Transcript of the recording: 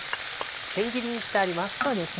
せん切りにしてあります。